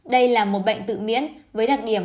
đây là một bệnh tự miễn với đặc điểm